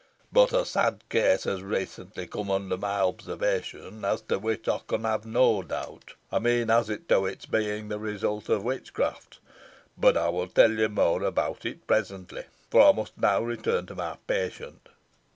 But a sad case has recently come under my observation, as to which I can have no doubt I mean as to its being the result of witchcraft but I will tell you more about it presently, for I must now return to my patient."